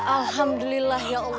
alhamdulillah ya allah